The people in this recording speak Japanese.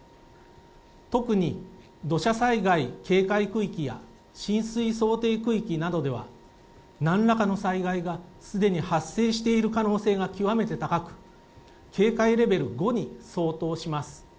特に、土砂災害警戒区域や浸水想定区域などでは何らかの災害がすでに発生している可能性が極めて高く警戒レベル５に相当します。